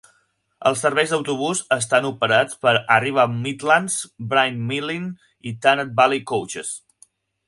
Els serveis d'autobús estan operats per Arriva Midlands, Bryn Melyn i Tanat Valley Coaches.